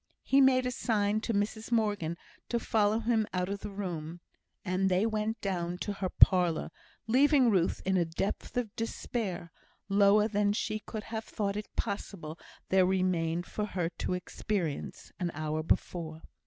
He made a sign to Mrs Morgan to follow him out of the room, and they went down to her parlour, leaving Ruth in a depth of despair, lower than she could have thought it possible there remained for her to experience, an hour before.